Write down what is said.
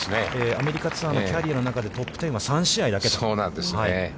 アメリカのツアーのキャリアの中で、トップ１０は３試合だけと。